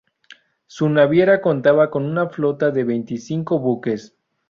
Su naviera contaba con una flota de veinticinco buques.